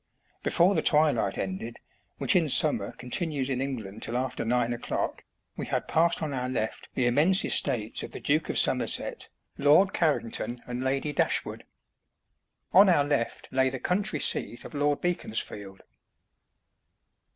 Before the twilight ended, which in summer con tinues in England till after nine o'clock, we had passed on our left the immense estates of the Duke of Somerset, Lord Carrington, and Lady Dash wood. On our left lay the country seat of Lord Beaconsfield.